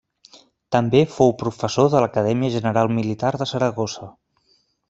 També fou professor de l'Acadèmia General Militar de Saragossa.